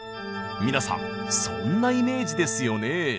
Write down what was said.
皆さんそんなイメージですよね？